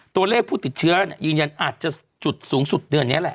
ตัวเลขผู้ติดเชื้อยืนยันอาจจะจุดสูงสุดเดือนนี้แหละ